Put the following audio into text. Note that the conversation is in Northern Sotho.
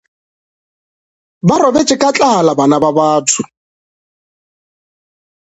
Ba robetše ka tlala bana ba batho.